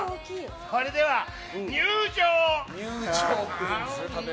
それでは入場！